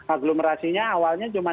aglomerasinya awalnya cuma